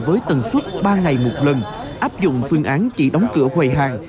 với tầng suất ba ngày một lần áp dụng phương án chỉ đóng cửa hoài hàng